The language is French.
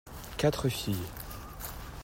Quatre filles.